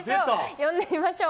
呼んでみましょう。